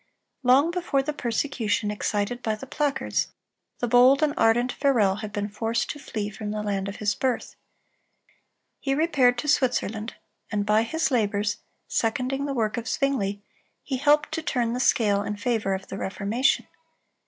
Long before the persecution excited by the placards, the bold and ardent Farel had been forced to flee from the land of his birth. He repaired to Switzerland, and by his labors, seconding the work of Zwingle, he helped to turn the scale in favor of the Reformation.